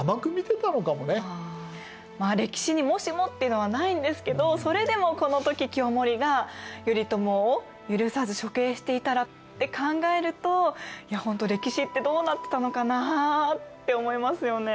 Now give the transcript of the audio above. まあ歴史にもしもっていうのはないんですけどそれでもこの時清盛が頼朝を許さず処刑していたらって考えるといやほんと歴史ってどうなってたのかなあって思いますよね。